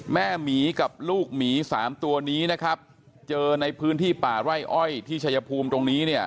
หมีกับลูกหมีสามตัวนี้นะครับเจอในพื้นที่ป่าไร่อ้อยที่ชายภูมิตรงนี้เนี่ย